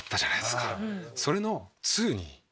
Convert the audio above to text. それの「２」に。